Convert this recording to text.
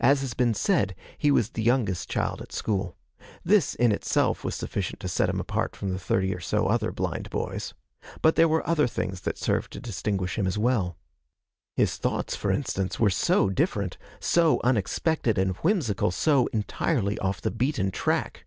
As has been said, he was the youngest child at school. This in itself was sufficient to set him apart from the thirty or so other blind boys; but there were other things that served to distinguish him as well. His thoughts, for instance, were so different so unexpected and whimsical; so entirely off the beaten track.